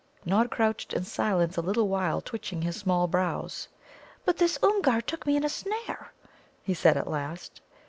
Nod crouched in silence a little while, twitching his small brows. "But this Oomgar took me in a snare," he said at last.